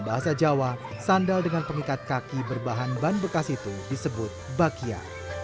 bahasa jawa sandal dengan pengikat kaki berbahan ban bekas itu disebut bakia